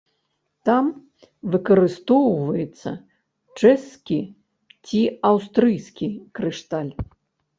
Там выкарыстоўваўся чэшскі ці аўстрыйскі крышталь.